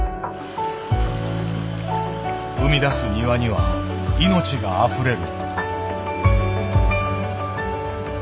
生み出す庭には命があふれる。